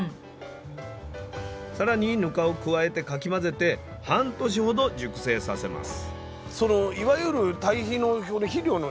更に「ぬか」を加えてかき混ぜて半年ほど熟成させます。